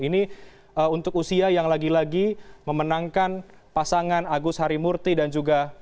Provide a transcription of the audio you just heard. ini untuk usia yang lagi lagi memenangkan pasangan agus harimurti dan juga